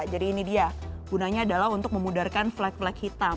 jadi ini dia gunanya adalah untuk memudarkan flek flek hitam